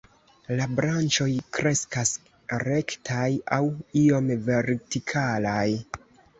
La branĉoj kreskas rektaj aŭ iom vertikalaj.